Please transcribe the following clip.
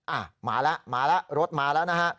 อ่ะมาแล้วมาแล้วรถมาแล้วนะฮะ